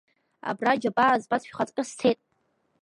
Абра џьабаа збаз, шәхаҵкы сцеит.